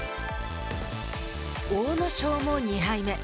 阿武咲も２敗目。